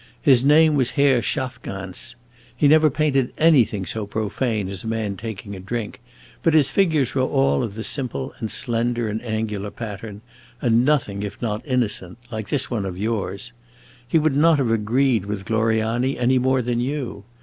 His name was Herr Schafgans. He never painted anything so profane as a man taking a drink, but his figures were all of the simple and slender and angular pattern, and nothing if not innocent like this one of yours. He would not have agreed with Gloriani any more than you.